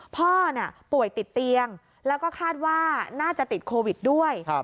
พ่อป่วยติดเตียงแล้วก็คาดว่าน่าจะติดโควิดด้วย